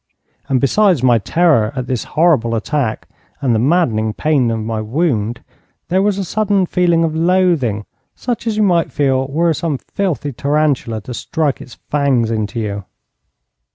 And besides my terror at this horrible attack, and the maddening pain of my wound, there was a sudden feeling of loathing such as you might feel were some filthy tarantula to strike its fangs into you.